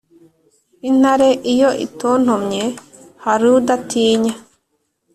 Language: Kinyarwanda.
Intare iyo itontomye hari udatinya?